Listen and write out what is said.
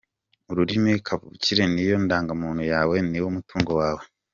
Ururimi kavukire niyo ndangamuntu yawe, niwo mutungo wawe.